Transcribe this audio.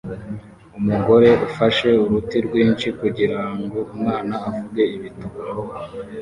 Umugore ufashe uruti rwinshi kugirango umwana avuge ibituba